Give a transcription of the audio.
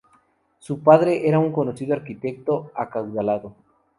Su padre era un conocido arquitecto acaudalado.